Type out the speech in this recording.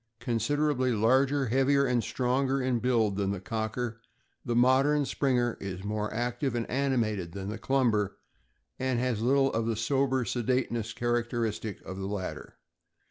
— Considerably larger, heavier, and stronger in build than the Cocker; the modern Springer is more active and animated than the Clumber, and has little of the sober sedateness characteristic of the latter.